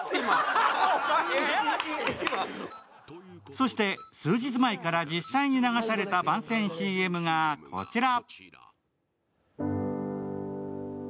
そして数日前から実際に流された番宣ＣＭがこちら。